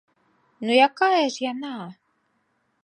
Ну, якая ж яна?